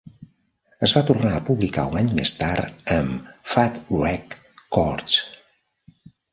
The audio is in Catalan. Es va tornar a publicar un any més tard amb Fat Wreck Chords.